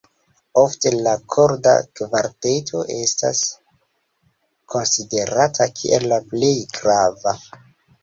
Ofte la korda kvarteto estas konsiderata kiel la plej grava.